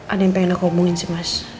ada yang pengen aku omongin sih mas